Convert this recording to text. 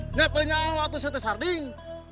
tidak tahu apa itu saya sarding